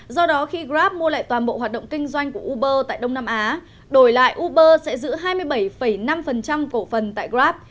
do đó khi grab mua lại toàn bộ hoạt động kinh doanh của uber tại đông nam á đổi lại uber sẽ giữ hai mươi bảy năm cổ phần tại grab